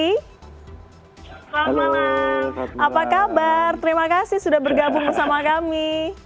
selamat malam apa kabar terima kasih sudah bergabung bersama kami